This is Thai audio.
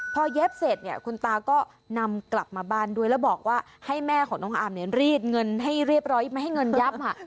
พอเย็บเสร็จเนี่ยคุณตาก็นำกลับมาบ้านด้วยแล้วบอกว่าให้แม่ของน้องอามเนี่ยรีดเงินให้เรียบร้อยไม่ให้เงินยับ